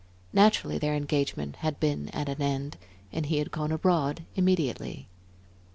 Naturally their engagement had been at an end, and he had gone abroad immediately.